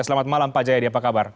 selamat malam pak jayadi apa kabar